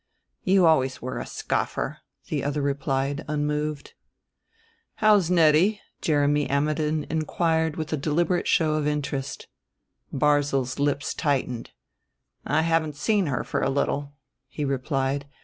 "You always were a scoffer," the other replied, unmoved. "How's Nettie?" Jeremy Ammidon inquired with a deliberate show of interest. Barzil's lips tightened. "I haven't seen her for a little," he replied.